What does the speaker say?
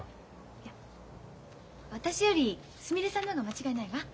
いや私よりすみれさんの方が間違いないわ。